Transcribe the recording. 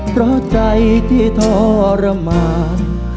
เพราะใจที่ทรมาน